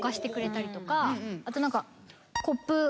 あと何かコップ。